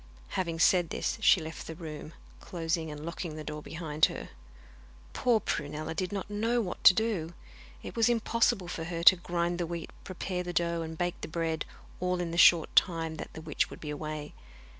Having said this she left the room, closing and locking the door behind her. Poor Prunella did not know what to do. It was impossible for her to grind the wheat, prepare the dough, and bake the bread, all in the short time that the witch would be away.